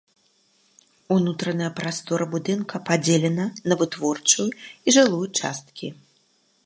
Унутраная прастора будынка падзелена на вытворчую і жылую часткі.